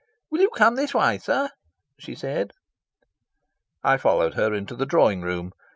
"Will you come this way, sir?" she said. I followed her into the drawing room.